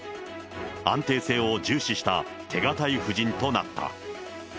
安定性を重視した手堅い布陣となった。